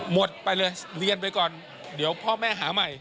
หมดไปเลยเรียนไปก่อนเดี๋ยวพ่อแม่หาใหม่